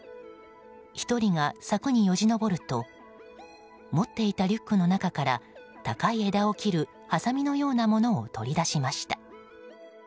１人が柵によじ登ると持っていたリュックの中から高い枝を切るハサミのようなものを取り出しました。